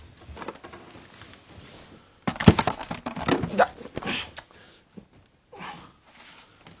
痛っ。